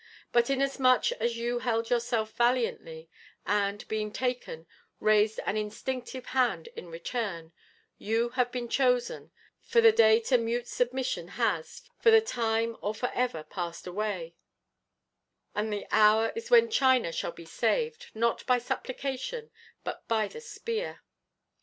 But inasmuch as you held yourself valiantly, and, being taken, raised an instinctive hand in return, you have been chosen; for the day to mute submission has, for the time or for ever, passed away, and the hour is when China shall be saved, not by supplication, but by the spear."